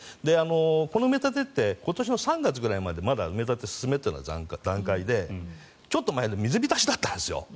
この埋め立てって今年の３月まで埋め立てが進めていた段階で、ちょっと前は水浸しだったんです。